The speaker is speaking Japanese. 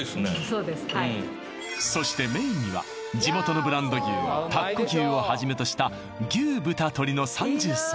そうですはいそしてメインには地元のブランド牛田子牛をはじめとした牛豚鶏の三重奏